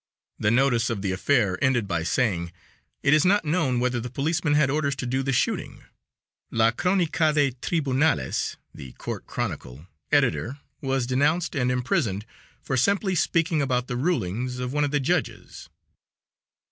The notice of the affair ended by saying: "It is not known whether the policeman had orders to do the shooting." La Cronicade Tribunales (the Court Chronicle) editor was denounced and imprisoned for simply speaking about the rulings of one of the judges.